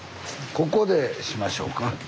ここでしましょうか。